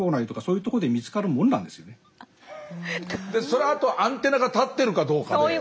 それはあとアンテナが立ってるかどうかで。